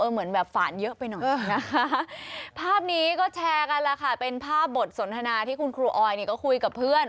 เออภาพนี้ก็แชร์กันแล้วค่ะเป็นภาพบทสนทนาที่คุณครูออยนี่ก็คุยกับเพื่อน